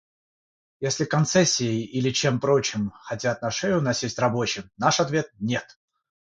Если концессией или чем прочим хотят на шею насесть рабочим, — наш ответ: нет!